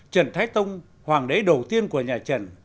trần thái tông hoàng đế đầu tiên của nhà trần